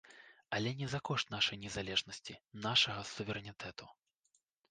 Але не за кошт нашай незалежнасці, нашага суверэнітэту.